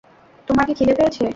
তোমার কি খিদে পেয়েছে?